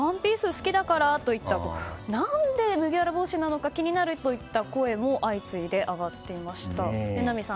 好きだから？といった何で麦わら帽子なのか気になるといった声も相次いで上がっていました。